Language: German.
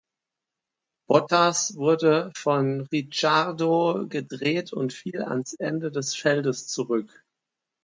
Bottas wurde von Ricciardo gedreht und fiel ans Ende des Feldes zurück.